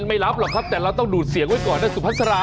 ไม่รับหรอกครับแต่เราต้องดูดเสียงไว้ก่อนนะสุพัสรา